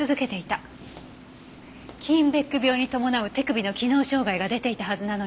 キーンベック病に伴う手首の機能障害が出ていたはずなのに。